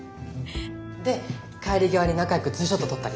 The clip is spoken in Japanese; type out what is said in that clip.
で帰り際に仲よく２ショット撮ったり。